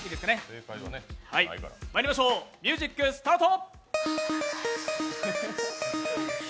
まいりましょう、ミュージックスタート。